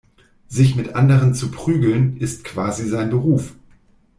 Sich mit anderen zu prügeln, ist quasi sein Beruf.